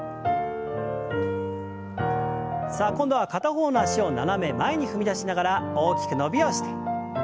さあ今度は片方の脚を斜め前に踏み出しながら大きく伸びをして。